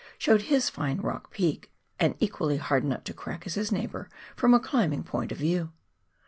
showed his fine rock peak, an equally hard nut to crack as his neighbour, from a climbing point of view.